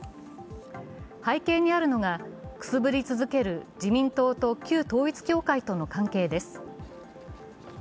背景にあるのが、くすぶり続ける自民党と旧統一教会との関係です。